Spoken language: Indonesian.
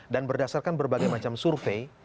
dan berdasarkan berbagai macam survei